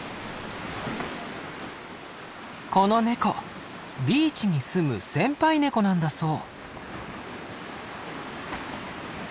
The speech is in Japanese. このネコビーチに住む先輩ネコなんだそう。